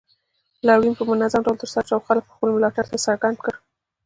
لاریون په منظم ډول ترسره شو او خلکو خپل ملاتړ څرګند کړ